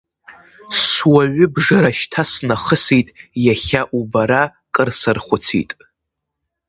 Суаҩыбжара шьҭа снахысит, иахьа убара кыр сархәыцит.